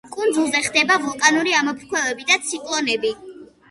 კუნძულზე ხდება ვულკანური ამოფრქვევები და ციკლონები.